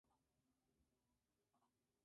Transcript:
Fue filósofo y teólogo.